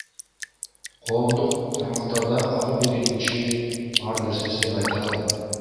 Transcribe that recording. Коомдук тармактарда ар бир экинчи ар нерсени айта алат.